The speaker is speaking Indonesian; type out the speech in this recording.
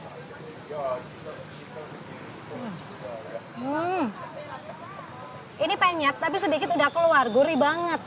hmm ini penyak tapi sedikit udah keluar gurih banget